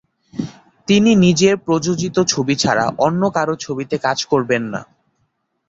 তিনি নিজের প্রযোজিত ছবি ছাড়া অন্য কারো ছবিতে কাজ করবেন না।